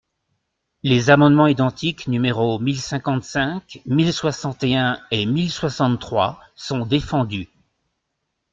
Les amendements identiques numéros mille cinquante-cinq, mille soixante et un et mille soixante-trois sont défendus.